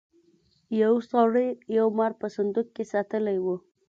یو سړي یو مار په صندوق کې ساتلی و.